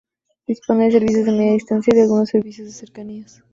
Dispone de servicios de Media Distancia y de algunos servicios de cercanías.